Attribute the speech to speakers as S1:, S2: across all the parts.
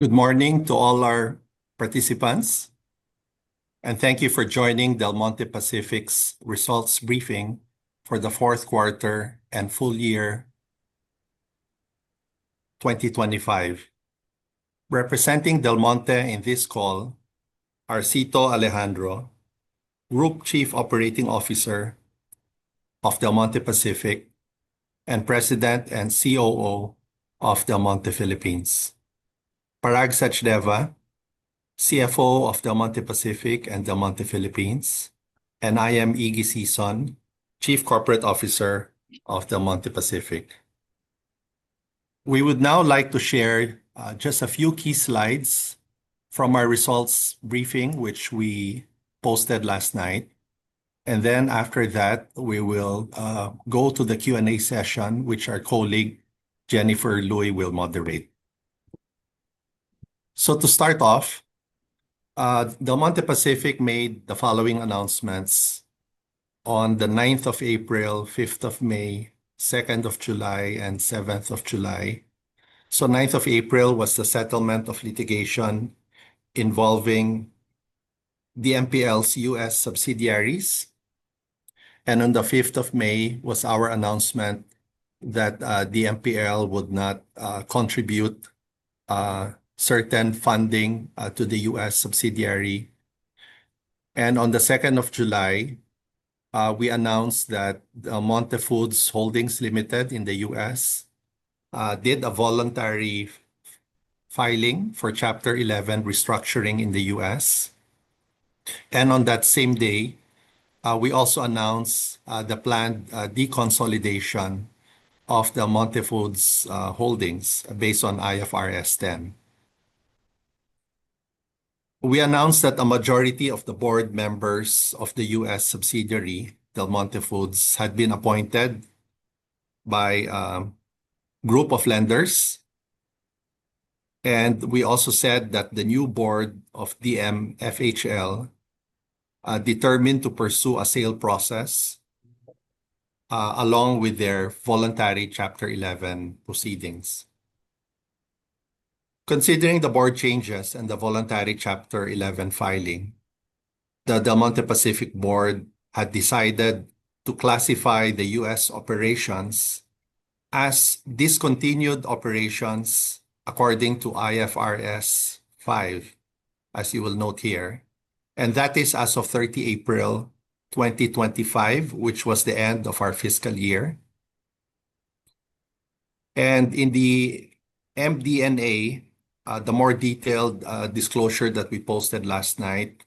S1: Good morning to all our participants, and thank you for joining Del Monte Pacific's results briefing for the fourth quarter and full year 2025. Representing Del Monte in this call are Cito Alejandro, Group Chief Operating Officer of Del Monte Pacific, and President and COO of Del Monte Philippines. Parag Sajdeva, CFO of Del Monte Pacific and Del Monte Philippines, and I am Iggy Sison, Chief Corporate Officer of Del Monte Pacific. We would now like to share just a few key slides from our results briefing, which we posted last night. After that, we will go to the Q&A session, which our colleague Jennifer Lui will moderate. To start off, Del Monte Pacific made the following announcements on the 9th of April, 5th of May, 2nd of July, and 7th of July. The 9th of April was the settlement of litigation involving DMPL's U.S. subsidiaries. On the 5th of May was our announcement that DMPL would not contribute certain funding to the U.S. subsidiary. On the 2nd of July, we announced that Del Monte Foods Holdings Ltd. in the U.S. did a voluntary filing for Chapter 11 restructuring in the U.S. On that same day, we also announced the planned deconsolidation of Del Monte Foods Holdings based on IFRS 10. We announced that a majority of the board members of the U.S. subsidiary, Del Monte Foods, had been appointed by a group of lenders. We also said that the new board of DMFHL determined to pursue a sale process along with their voluntary Chapter 11 proceedings. Considering the board changes and the voluntary Chapter 11 filing, the Del Monte Pacific board had decided to classify the U.S. operations as discontinued operations according to IFRS 5, as you will note here. That is as of 30 April 2025, which was the end of our fiscal year. In the MDNA, the more detailed disclosure that we posted last night,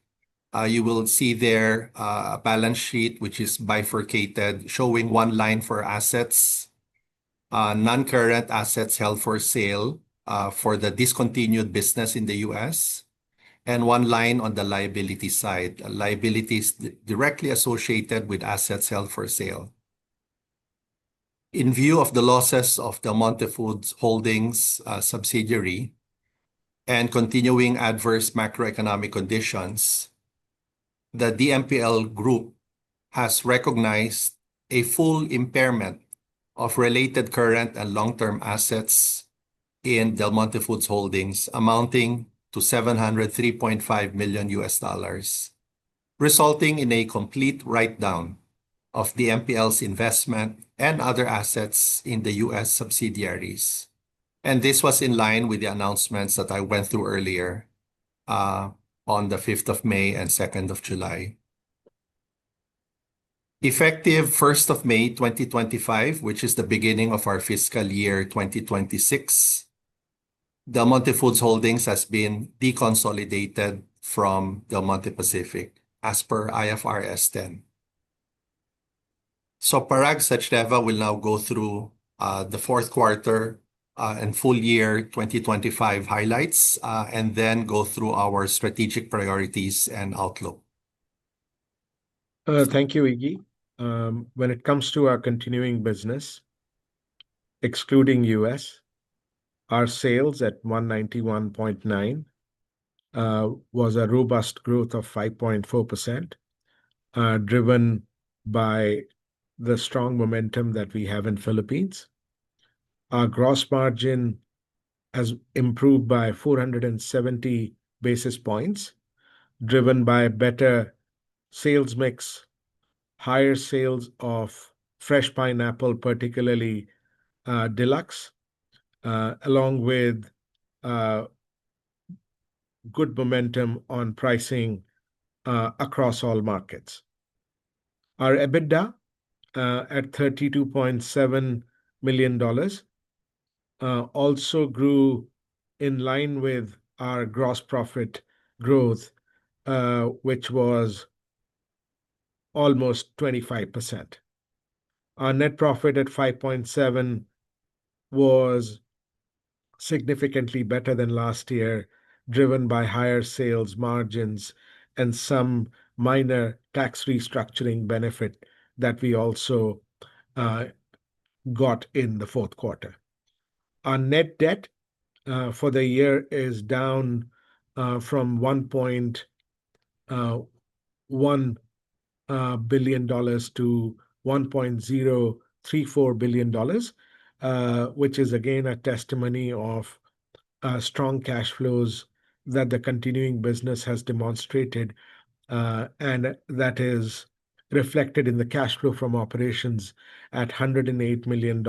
S1: you will see there a balance sheet which is bifurcated, showing one line for assets, non-current assets held for sale for the discontinued business in the U.S., and one line on the liability side, liabilities directly associated with assets held for sale. In view of the losses of Del Monte Foods Holdings' subsidiary and continuing adverse macroeconomic conditions, the DMPL group has recognized a full impairment of related current and long-term assets in Del Monte Foods Holdings amounting to $703.5 million, resulting in a complete write-down of DMPL's investment and other assets in the U.S. subsidiaries. This was in line with the announcements that I went through earlier on the 5th of May and 2nd of July. Effective 1st of May 2025, which is the beginning of our fiscal year 2026, Del Monte Foods Holdings has been deconsolidated from Del Monte Pacific as per IFRS 10. Parag Sajdeva will now go through the fourth quarter and full year 2025 highlights and then go through our strategic priorities and outlook.
S2: Thank you, Iggy. When it comes to our continuing business, excluding U.S., our sales at $191.9 million was a robust growth of 5.4%, driven by the strong momentum that we have in the Philippines. Our gross margin has improved by 470 basis points, driven by a better sales mix, higher sales of fresh pineapple, particularly deluxe, along with good momentum on pricing across all markets. Our EBITDA at $32.7 million also grew in line with our gross profit growth, which was almost 25%. Our net profit at $5.7 million was significantly better than last year, driven by higher sales margins and some minor tax restructuring benefit that we also got in the fourth quarter. Our net debt for the year is down from $1.1 billion to $1.034 billion, which is again a testimony of strong cash flows that the continuing business has demonstrated, and that is reflected in the cash flow from operations at $108 million,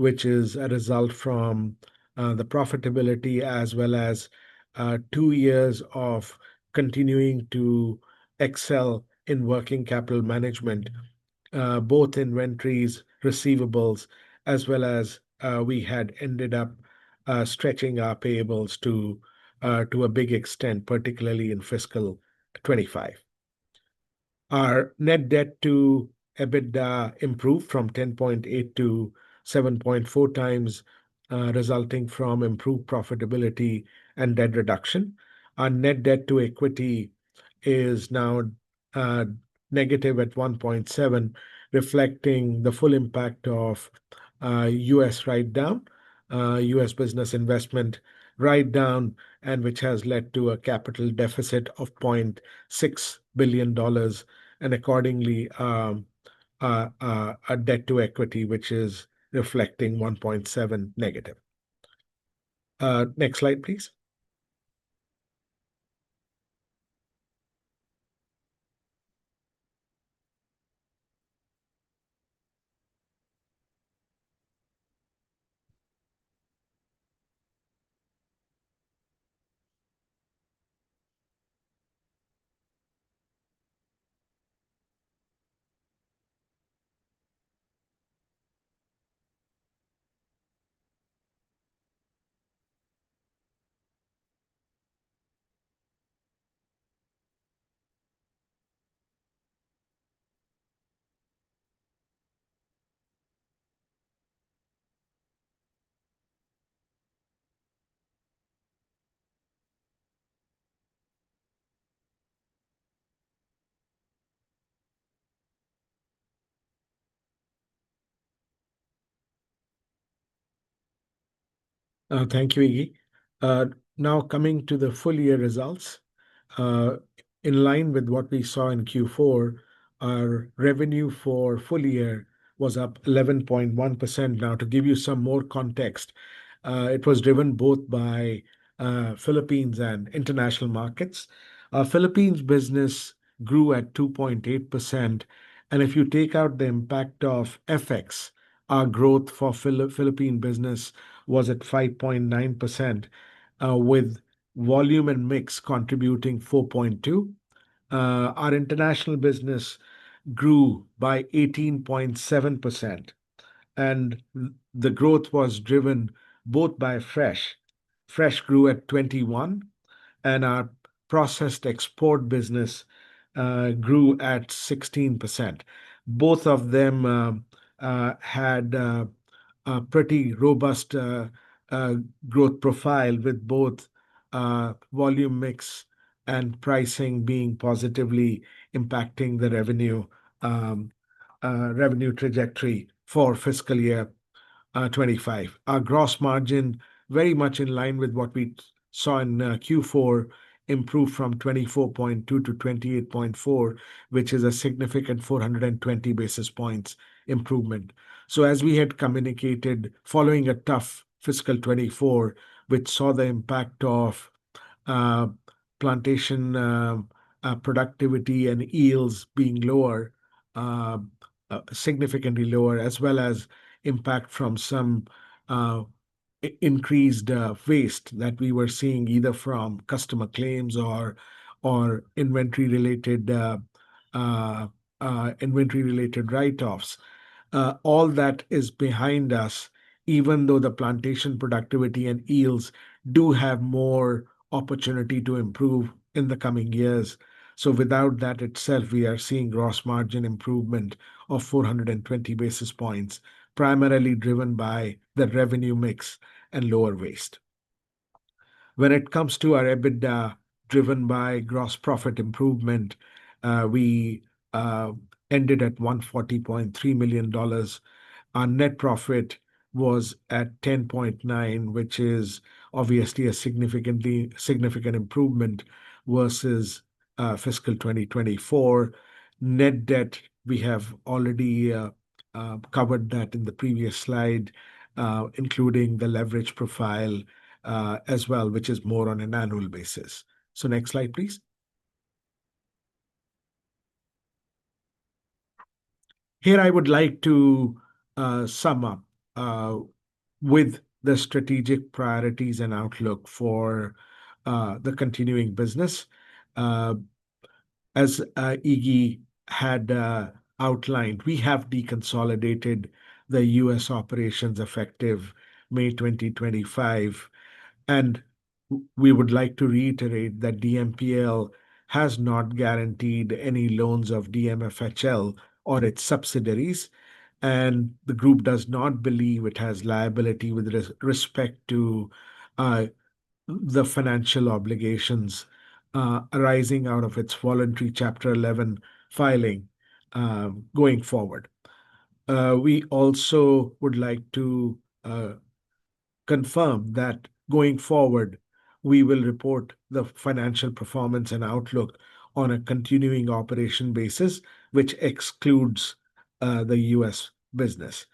S2: which is a result from the profitability as well as two years of continuing to excel in working capital management, both inventories, receivables, as well as we had ended up stretching our payables to a big extent, particularly in fiscal 2025. Our net debt to EBITDA improved from 10.8x to 7.4x, resulting from improved profitability and debt reduction. Our net debt to equity is now negative at 1.7x, reflecting the full impact of U.S. write-down, U.S. business investment write-down, and which has led to a capital deficit of $0.6 billion, and accordingly, a debt to equity, which is reflecting 1.7x negative. Next slide, please. Thank you, Iggy. Now coming to the full year results. In line with what we saw in Q4, our revenue for full year was up 11.1%. Now, to give you some more context, it was driven both by Philippines and international markets. Philippines business grew at 2.8%, and if you take out the impact of FX, our growth for Philippine business was at 5.9%, with volume and mix contributing 4.2%. Our international business grew by 18.7%, and the growth was driven both by fresh. Fresh grew at 21%, and our processed export business grew at 16%. Both of them had a pretty robust growth profile with both volume mix and pricing being positively impacting the revenue trajectory for fiscal year 2025. Our gross margin, very much in line with what we saw in Q4, improved from 24.2% to 28.4%, which is a significant 420 basis points improvement. As we had communicated, following a tough fiscal 2024, which saw the impact of plantation productivity and yields being significantly lower, as well as impact from some increased waste that we were seeing either from customer claims or inventory-related write-offs, all that is behind us, even though the plantation productivity and yields do have more opportunity to improve in the coming years. Without that itself, we are seeing gross margin improvement of 420 basis points, primarily driven by the revenue mix and lower waste. When it comes to our EBITDA driven by gross profit improvement, we ended at $140.3 million. Our net profit was at $10.9 million, which is obviously a significant improvement versus fiscal 2024. Net debt, we have already covered that in the previous slide, including the leverage profile as well, which is more on an annual basis. Next slide, please. Here I would like to sum up with the strategic priorities and outlook for the continuing business. As Iggy had outlined, we have deconsolidated the U.S. operations effective May 2025. We would like to reiterate that DMPL has not guaranteed any loans of DMFHL or its subsidiaries, and the group does not believe it has liability with respect to the financial obligations arising out of its voluntary Chapter 11 filing going forward. We also would like to confirm that going forward, we will report the financial performance and outlook on a continuing operation basis, which excludes the U.S. business.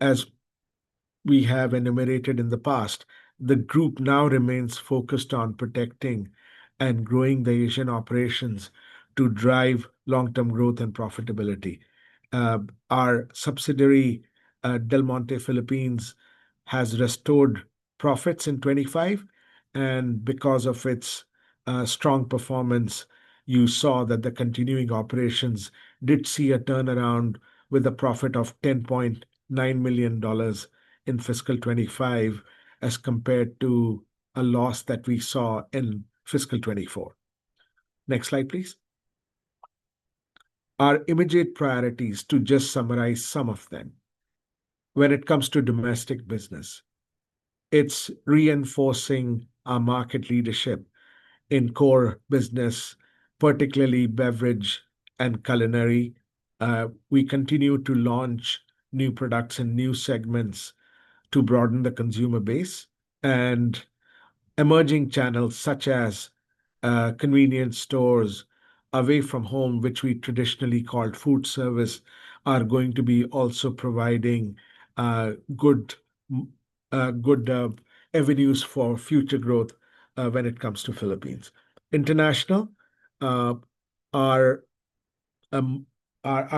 S2: As we have enumerated in the past, the group now remains focused on protecting and growing the Asian operations to drive long-term growth and profitability. Our subsidiary, Del Monte Philippines, has restored profits in 2025, and because of its strong performance, you saw that the continuing operations did see a turnaround with a profit of $10.9 million in fiscal 2025 as compared to a loss that we saw in fiscal 2024. Next slide, please. Our immediate priorities, to just summarize some of them. When it comes to domestic business, it's reinforcing our market leadership in core business, particularly beverage and culinary. We continue to launch new products in new segments to broaden the consumer base. Emerging channels such as convenience stores, away from home, which we traditionally called food service, are going to be also providing good avenues for future growth when it comes to the Philippines. International, our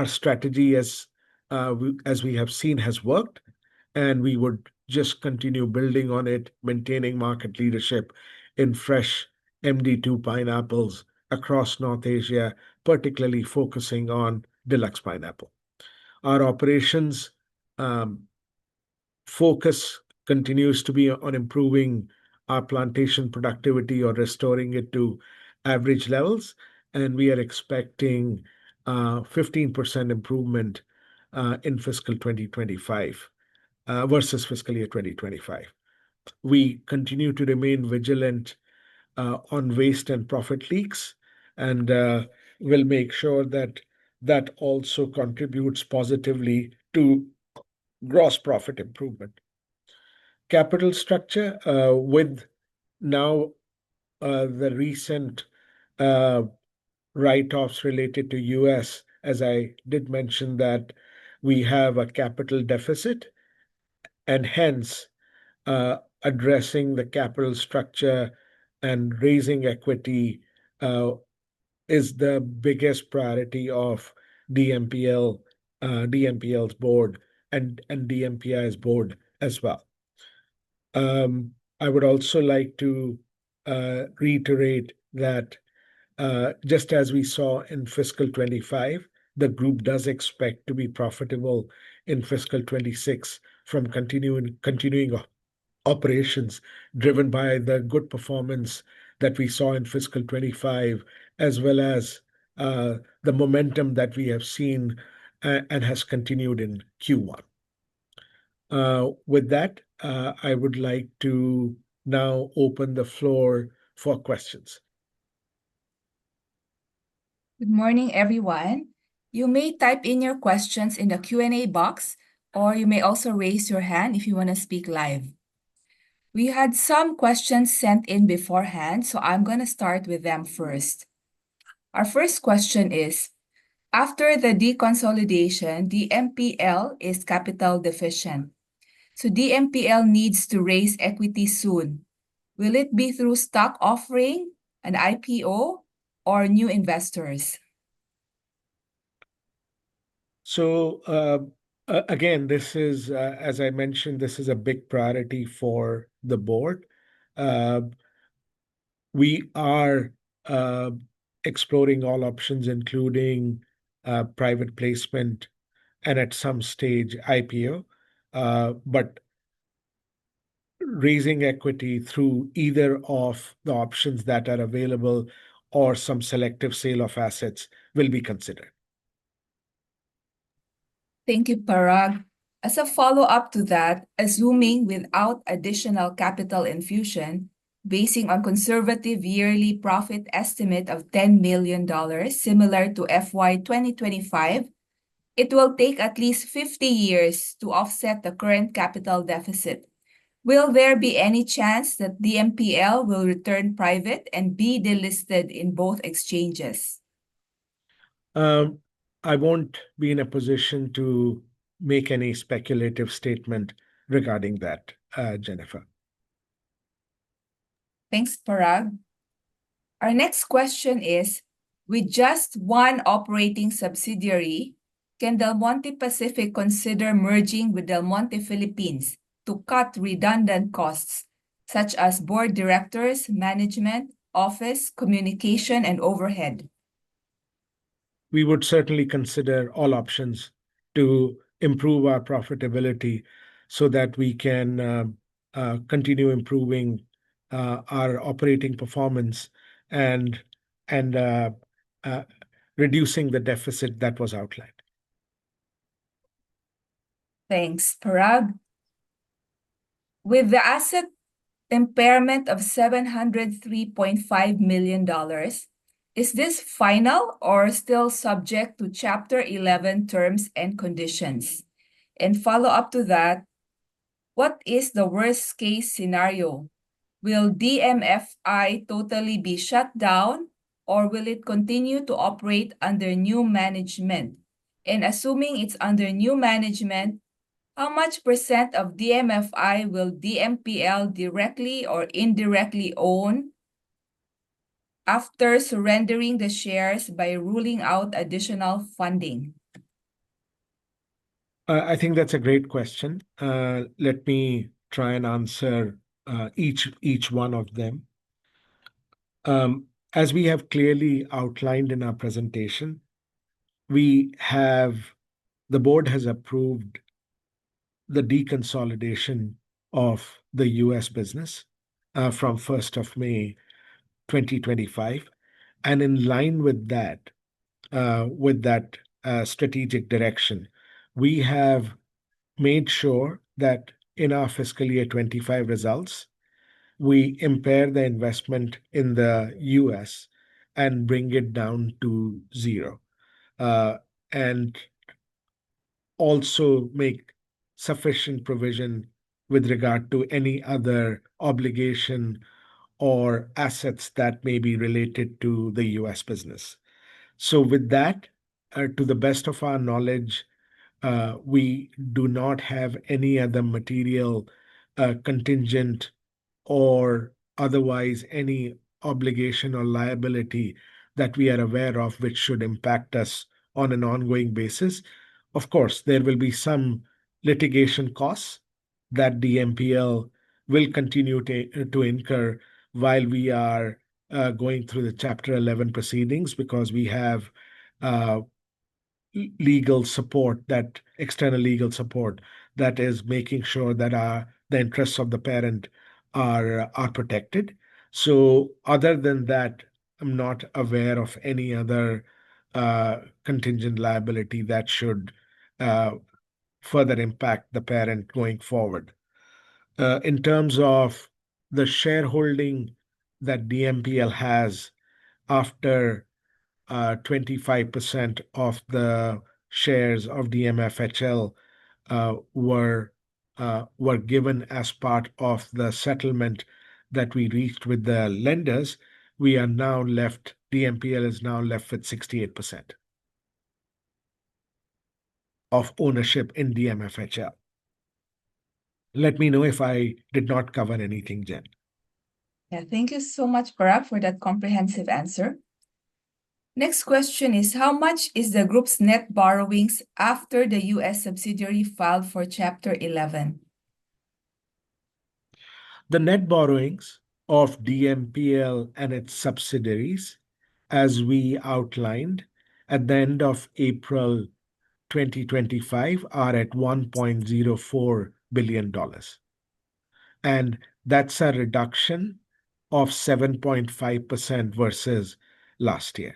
S2: strategy, as we have seen, has worked, and we would just continue building on it, maintaining market leadership in fresh MD2 pineapples across North Asia, particularly focusing on deluxe pineapple. Our operations focus continues to be on improving our plantation productivity or restoring it to average levels, and we are expecting 15% improvement in fiscal 2025 versus fiscal year 2024. We continue to remain vigilant on waste and profit leaks, and we'll make sure that that also contributes positively to gross profit improvement. Capital structure, with now the recent write-downs related to the U.S., as I did mention that we have a capital deficit, and hence addressing the capital structure and raising equity is the biggest priority of DMPL's Board and DMPI's Board as well. I would also like to reiterate that just as we saw in fiscal 2025, the group does expect to be profitable in fiscal 2026 from continuing operations driven by the good performance that we saw in fiscal 2025, as well as the momentum that we have seen and has continued in Q1. With that, I would like to now open the floor for questions.
S3: Good morning, everyone. You may type in your questions in the Q&A box, or you may also raise your hand if you want to speak live. We had some questions sent in before hands, so I'm going to start with them first. Our first question is, after the deconsolidation, DMPL is capital deficient. DMPL needs to raise equity soon. Will it be through stock offering, an IPO, or new investors?
S2: As I mentioned, this is a big priority for the Board. We are exploring all options, including private placement and, at some stage, IPO. Raising equity through either of the options that are available or some selective sale of assets will be considered.
S3: Thank you, Parag. As a follow-up to that, assuming without additional capital infusion, basing on conservative yearly profit estimate of $10 million, similar to FY 2025, it will take at least 50 years to offset the current capital deficit. Will there be any chance that DMPL will return private and be delisted in both exchanges?
S2: I won't be in a position to make any speculative statement regarding that, Jennifer.
S3: Thanks, Parag. Our next question is, with just one operating subsidiary, can Del Monte Pacific consider merging with Del Monte Philippines to cut redundant costs, such as board directors, management, office, communication, and overhead?
S2: We would certainly consider all options to improve our profitability so that we can continue improving our operating performance and reducing the deficit that was outlined.
S3: Thanks, Parag. With the asset impairment of $703.5 million, is this final or still subject to Chapter 11 terms and conditions? What is the worst-case scenario? Will DMFI totally be shut down, or will it continue to operate under new management? Assuming it's under new management, how much percent of DMFI will DMPL directly or indirectly own after surrendering the shares by ruling out additional funding?
S2: I think that's a great question. Let me try and answer each one of them. As we have clearly outlined in our presentation, the board has approved the deconsolidation of the U.S. business from May 1st, 2025. In line with that strategic direction, we have made sure that in our fiscal year 2025 results, we impair the investment in the U.S. and bring it down to zero. We also make sufficient provision with regard to any other obligation or assets that may be related to the U.S. business. With that, to the best of our knowledge, we do not have any other material contingent or otherwise any obligation or liability that we are aware of which should impact us on an ongoing basis. Of course, there will be some litigation costs that DMPL will continue to incur while we are going through the Chapter 11 proceedings because we have legal support, that external legal support that is making sure that the interests of the parent are protected. Other than that, I'm not aware of any other contingent liability that should further impact the parent going forward. In terms of the shareholding that DMPL has, after 25% of the shares of DMFHL were given as part of the settlement that we reached with the lenders, DMPL is now left with 68% of ownership in DMFHL. Let me know if I did not cover anything, Jen.
S3: Yeah, thank you so much, Parag, for that comprehensive answer. Next question is, how much is the group's net borrowings after the U.S. subsidiary filed for Chapter 11?
S2: The net borrowings of DMPL and its subsidiaries, as we outlined at the end of April 2025, are at $1.04 billion. That's a reduction of 7.5% versus last year.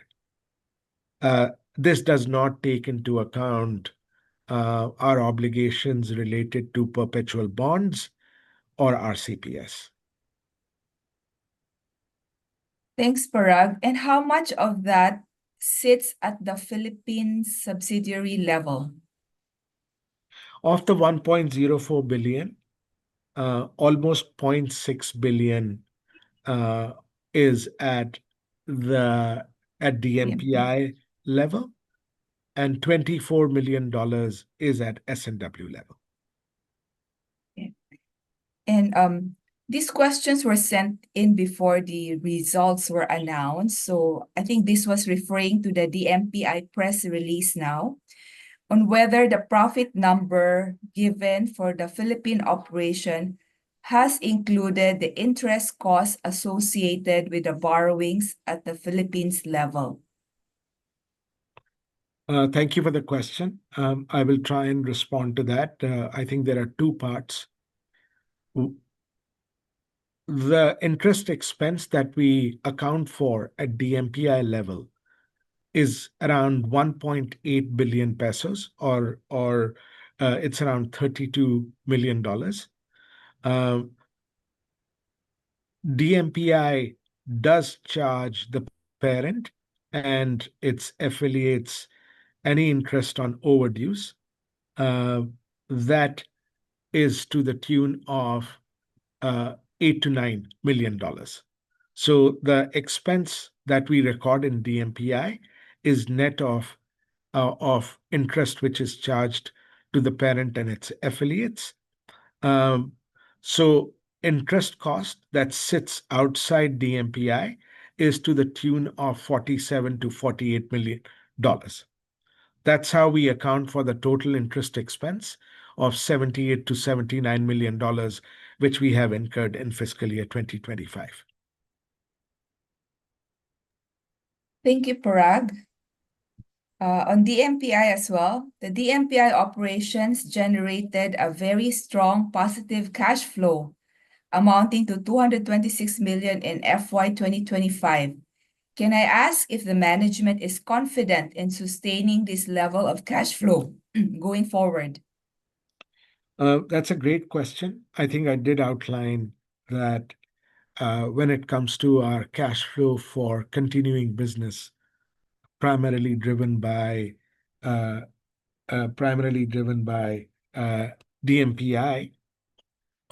S2: This does not take into account our obligations related to perpetual bonds or RCPS.
S3: Thanks, Parag. How much of that sits at the Philippines subsidiary level?
S2: After $1.04 billion, almost $0.6 billion is at the DMPI level, and $24 million is at S&W level.
S3: These questions were sent in before the results were announced. I think this was referring to the DMPI press release now on whether the profit number given for the Philippine operation has included the interest costs associated with the borrowings at the Philippines level.
S2: Thank you for the question. I will try and respond to that. I think there are two parts. The interest expense that we account for at DMPI level is around 1.8 billion pesos, or it's around $32 million. DMPI does charge the parent and its affiliates any interest on overdues. That is to the tune of $8 million-$9 million. The expense that we record in DMPI is net of interest which is charged to the parent and its affiliates. Interest cost that sits outside DMPI is to the tune of $47 million-$48 million. That's how we account for the total interest expense of $78 million-$79 million, which we have incurred in fiscal year 2025.
S3: Thank you, Parag. On DMPI as well, the DMPI operations generated a very strong positive cash flow amounting to $226 million in FY 2025. Can I ask if the management is confident in sustaining this level of cash flow going forward?
S2: That's a great question. I think I did outline that when it comes to our cash flow for continuing business, primarily driven by DMPI,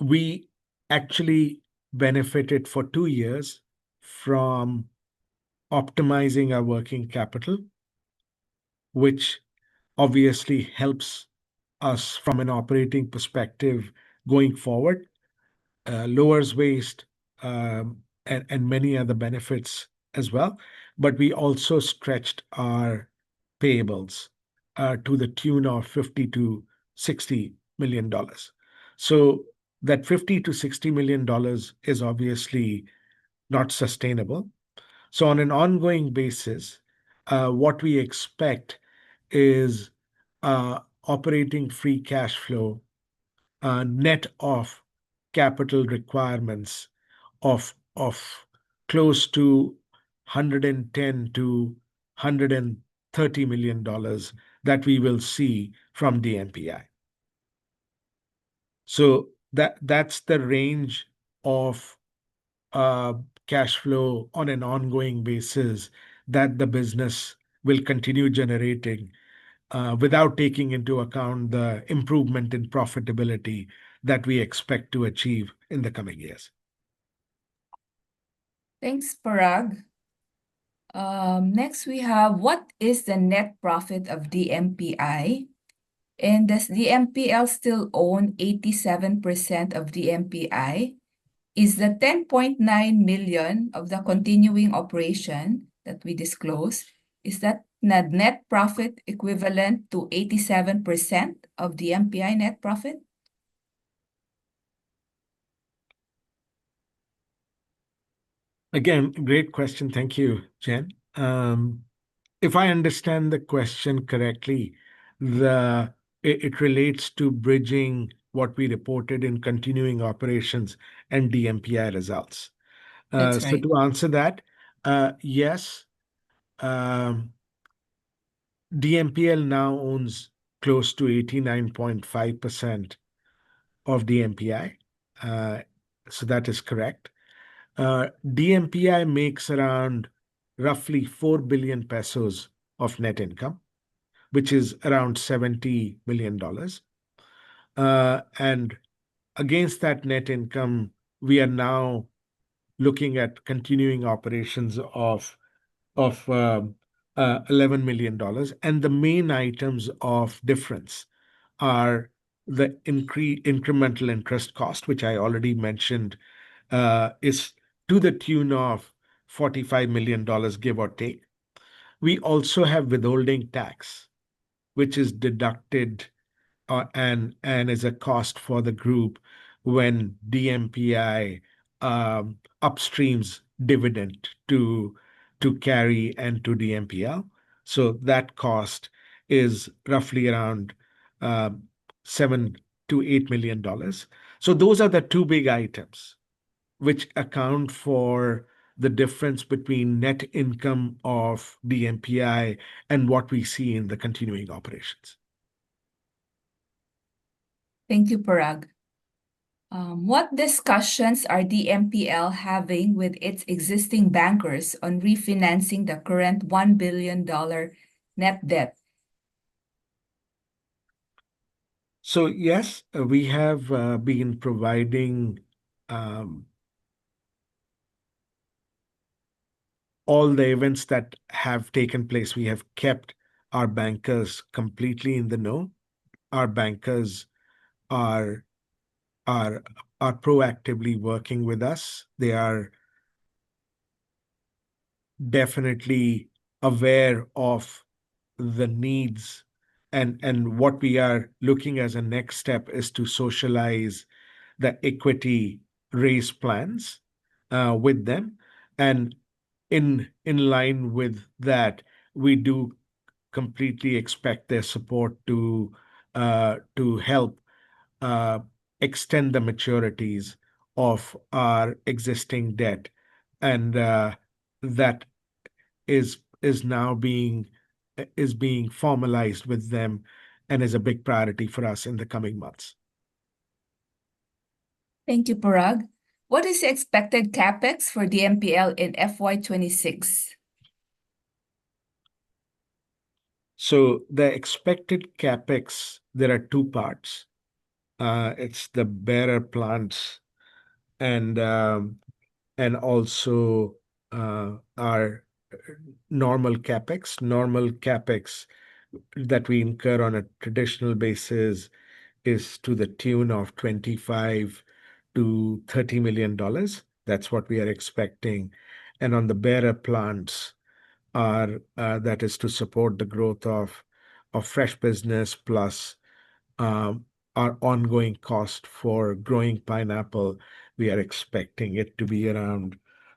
S2: we actually benefited for two years from optimizing our working capital, which obviously helps us from an operating perspective going forward, lowers waste, and many other benefits as well. We also stretched our payables to the tune of $50 million-$60 million. That $50 million-$60 million is obviously not sustainable. On an ongoing basis, what we expect is operating free cash flow, net off capital requirements, of close to $110 million-$130 million that we will see from DMPI. That's the range of cash flow on an ongoing basis that the business will continue generating without taking into account the improvement in profitability that we expect to achieve in the coming years.
S3: Thanks, Parag. Next, we have, what is the net profit of DMPI? Does DMPL still own 87% of DMPI? Is the $10.9 million of the continuing operation that we disclosed, is that net profit equivalent to 87% of DMPI net profit?
S2: Again, great question. Thank you, Jen. If I understand the question correctly, it relates to bridging what we reported in continuing operations and DMPI results. To answer that, yes, DMPL now owns close to 89.5% of DMPI. That is correct. DMPI makes around roughly 4 billion pesos of net income, which is around $70 million. Against that net income, we are now looking at continuing operations of $11 million. The main items of difference are the incremental interest cost, which I already mentioned, is to the tune of $45 million, give or take. We also have withholding tax, which is deducted and is a cost for the group when DMPI upstreams dividend to carry and to DMPL. That cost is roughly around $7 million-$8 million. Those are the two big items which account for the difference between net income of DMPI and what we see in the continuing operations.
S3: Thank you, Parag. What discussions are DMPL having with its existing bankers on refinancing the current $1 billion net debt?
S2: Yes, we have been providing all the events that have taken place. We have kept our bankers completely in the know. Our bankers are proactively working with us. They are definitely aware of the needs, and what we are looking as a next step is to socialize the equity raise plans with them. In line with that, we do completely expect their support to help extend the maturities of our existing debt. That is now being formalized with them and is a big priority for us in the coming months.
S3: Thank you, Parag. What is the expected CapEx for DMPL in FY 2026?
S2: The expected CapEx has two parts: the bearer plans and also our normal CapEx. Normal CapEx that we incur on a traditional basis is to the tune of $25 million-$30 million. That's what we're expecting. On the bearer plans, that is to support the growth of fresh business plus our ongoing cost for growing pineapple, we're expecting it to be around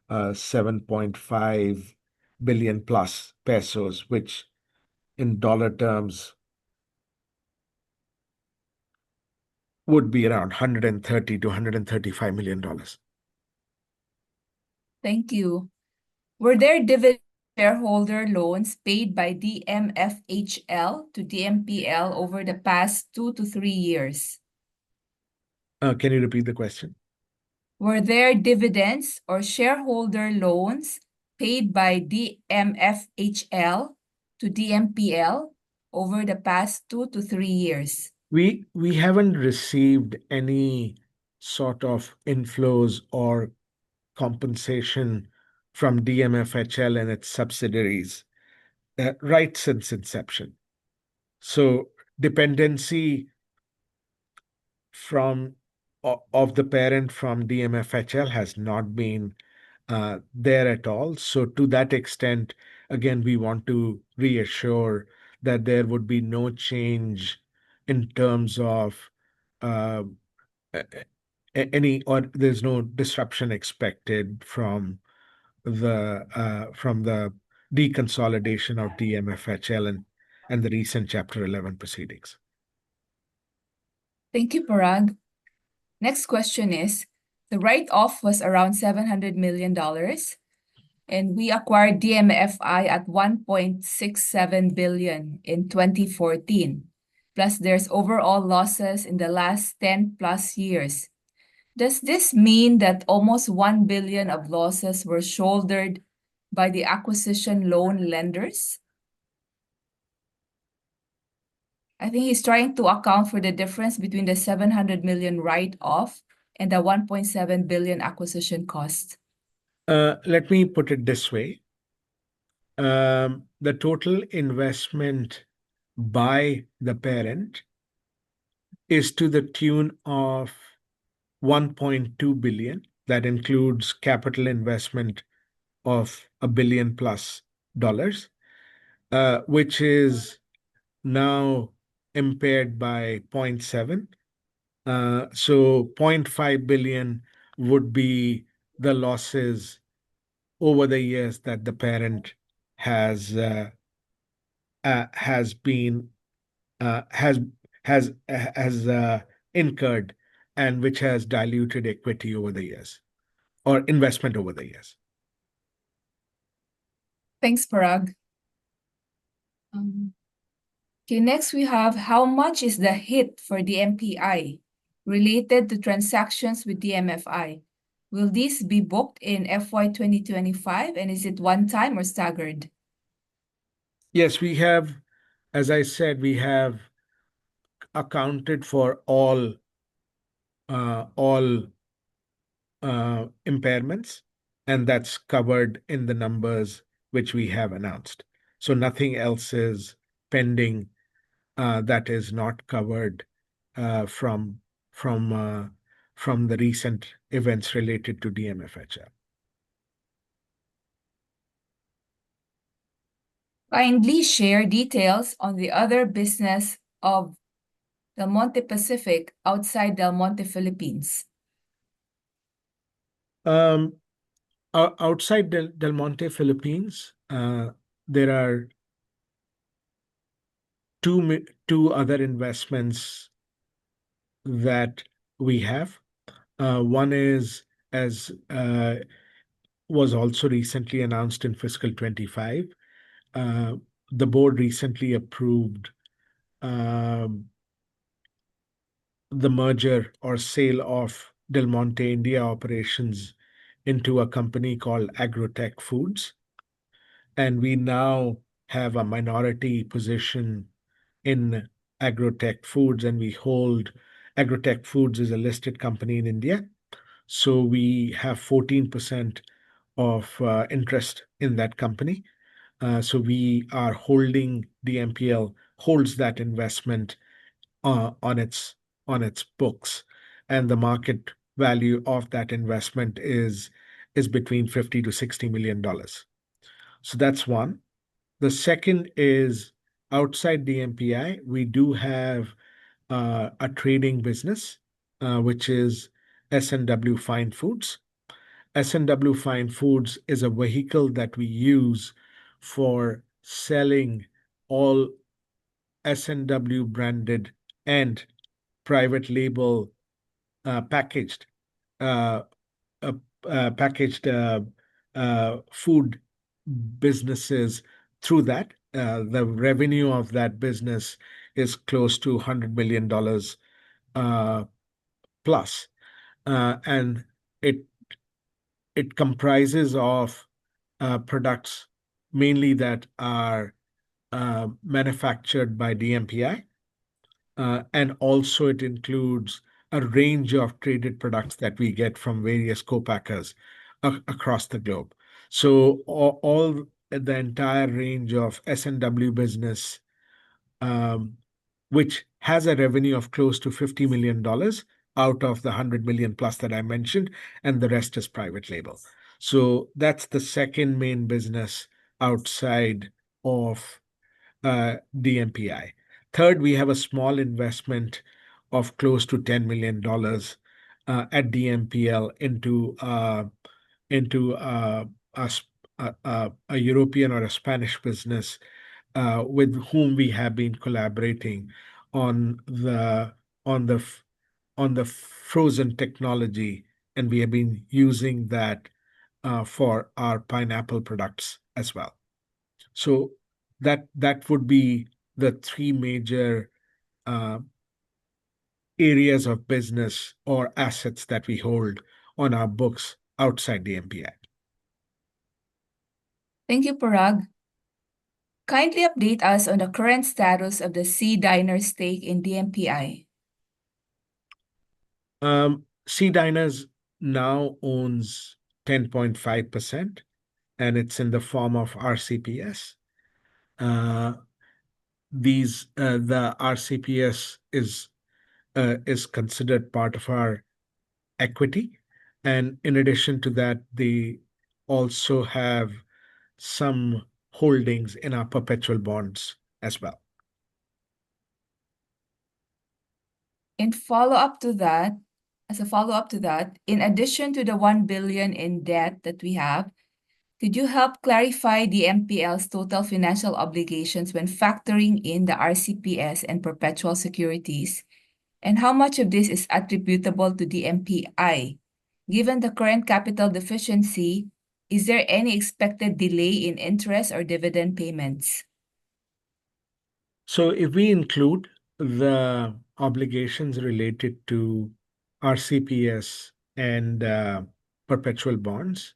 S2: 7.5+ billion pesos, which in dollar terms would be around $130 million-$135 million.
S3: Thank you. Were there dividend shareholder loans paid by DMFHL to DMPL over the past two to three years?
S2: Can you repeat the question?
S3: Were there dividends or shareholder loans paid by DMFHL to DMPL over the past two to three years?
S2: We haven't received any sort of inflows or compensation from DMFHL and its subsidiaries right since inception. Dependency of the parent from DMFHL has not been there at all. To that extent, again, we want to reassure that there would be no change in terms of any, or there's no disruption expected from the deconsolidation of DMFHL and the recent Chapter 11 proceedings.
S3: Thank you, Parag. Next question is, the write-off was around $700 million, and we acquired DMFI at $1.67 billion in 2014. Plus, there's overall losses in the last 10+ years. Does this mean that almost $1 billion of losses were shouldered by the acquisition loan lenders? I think he's trying to account for the difference between the $700 million write-off and the $1.7 billion acquisition cost.
S2: Let me put it this way. The total investment by the parent is to the tune of $1.2 billion. That includes capital investment of $1+ billion, which is now impaired by $0.7 billion. $0.5 billion would be the losses over the years that the parent has incurred and which has diluted equity over the years or investment over the years.
S3: Thanks, Parag. Okay, next we have, how much is the hit for DMPI related to transactions with DMFI? Will this be booked in FY 2025, and is it one-time or staggered?
S2: Yes, we have, as I said, we have accounted for all impairments, and that's covered in the numbers which we have announced. Nothing else is pending that is not covered from the recent events related to DMFHL.
S3: Kindly share details on the other business of Del Monte Pacific outside Del Monte Philippines.
S2: Outside Del Monte Philippines, there are two other investments that we have. One is, as was also recently announced in fiscal 2025, the board recently approved the merger or sale of Del Monte India operations into a company called Agro Tech Foods. We now have a minority position in Agro Tech Foods, and we hold Agro Tech Foods as a listed company in India. We have 14% of interest in that company. We are holding, DMPL holds that investment on its books. The market value of that investment is between $50 million-$60 million. That's one. The second is outside DMPI, we do have a trading business, which is S&W Fine Foods. S&W Fine Foods is a vehicle that we use for selling all S&W branded and private label packaged food businesses through that. The revenue of that business is close to $100+ million. It comprises of products mainly that are manufactured by DMPI. It also includes a range of traded products that we get from various co-packers across the globe. The entire range of S&W business has a revenue of close to $50 million out of the $100+ million that I mentioned, and the rest is private label. That's the second main business outside of DMPI. Third, we have a small investment of close to $10 million at DMPL into a European or a Spanish business with whom we have been collaborating on the frozen technology, and we have been using that for our pineapple products as well. That would be the three major areas of business or assets that we hold on our books outside DMPI.
S3: Thank you, Parag. Kindly update us on the current status of the SEA Diner stake in DMPI.
S2: SEA Diners now owns 10.5%, and it's in the form of RCPS. The RCPS is considered part of our equity. In addition to that, we also have some holdings in our perpetual bonds as well.
S3: As a follow-up to that, in addition to the $1 billion in debt that we have, could you help clarify DMPL's total financial obligations when factoring in the RCPS and perpetual securities, and how much of this is attributable to DMPI? Given the current capital deficiency, is there any expected delay in interest or dividend payments?
S2: If we include the obligations related to RCPS and perpetual bonds,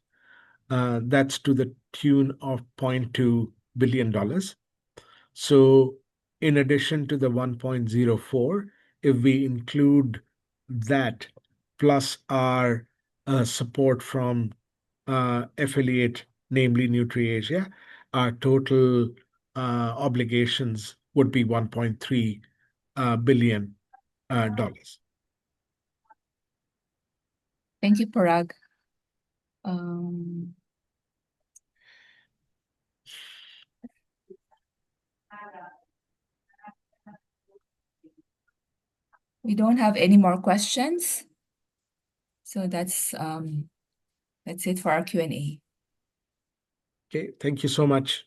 S2: that's to the tune of $0.2 billion. In addition to the $1.04 billion, if we include that plus our support from affiliate, namely NutriAsia, our total obligations would be $1.3 billion.
S3: Thank you, Parag. We don't have any more questions. That's it for our Q&A.
S2: Okay, thank you so much.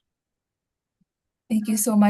S3: Thank you so much.